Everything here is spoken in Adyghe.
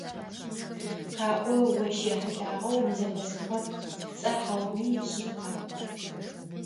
Къаӏо, ощ ехьылӀагъэу мы зэхэсхыгъэр пцӀа хьауми шъыпкъа?